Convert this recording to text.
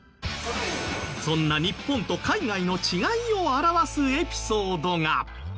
そんな日本と海外の違いを表すエピソードが。